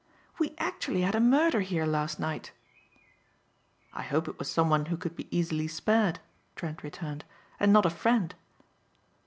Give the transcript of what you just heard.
We actually had a murder here last night." "I hope it was some one who could be easily spared," Trent returned, "and not a friend."